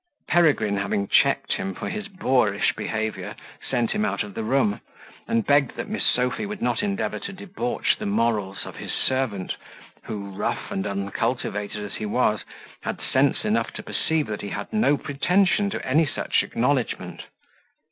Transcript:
Peregrine, having checked him for his boorish behaviour, sent him out of the room, and begged that Miss Sophy would not endeavour to debauch the morals of his servant, who, rough and uncultivated as he was, had sense enough to perceive that he had no pretension to any such acknowledgment.